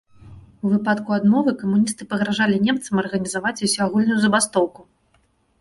У выпадку адмовы камуністы пагражалі немцам арганізаваць усеагульную забастоўку.